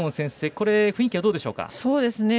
これ、雰囲気はどうでしょう。